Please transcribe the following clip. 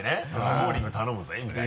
「モーニング頼むぜ」みたいな。